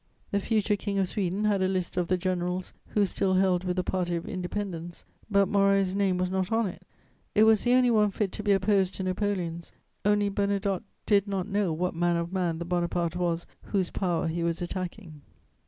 The future King of Sweden had a list of the generals who still held with the party of independence, but Moreau's name was not on it; it was the only one fit to be opposed to Napoleon's, only Bernadotte did not know what manner of man the Bonaparte was whose power he was attacking.